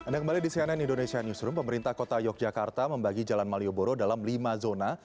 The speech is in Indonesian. anda kembali di cnn indonesia newsroom pemerintah kota yogyakarta membagi jalan malioboro dalam lima zona